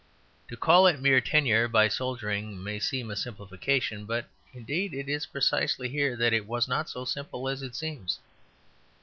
To call it mere tenure by soldiering may seem a simplification; but indeed it is precisely here that it was not so simple as it seems.